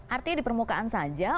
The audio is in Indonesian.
artinya di permukaan saja